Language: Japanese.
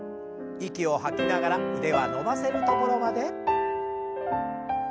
息を吐きながら腕は伸ばせるところまで。